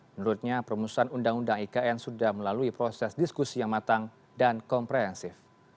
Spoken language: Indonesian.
menurutnya perumusan undang undang ikn sudah melalui proses diskusi yang matang dan komprehensif